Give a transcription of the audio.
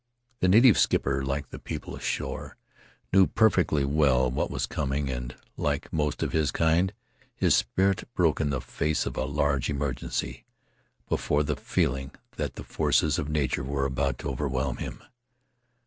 The native skipper, like the people ashore, knew perfectly well what was coming and, like most of his kind, his spirit broke in the face of a large emergency — before the feeling that the forces of nature were about to overwhelm him.